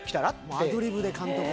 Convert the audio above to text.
アドリブで、監督の。